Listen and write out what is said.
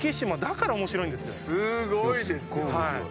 すごいですよ。